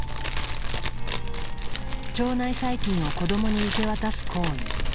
腸内細菌を子どもに受け渡す行為。